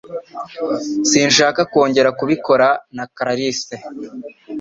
Sinshaka kongera kubikora na Kalarise.